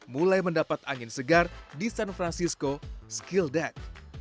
mulai mendapat angin segar di san francisco skilledat